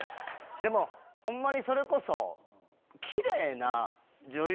でもホンマにそれこそ。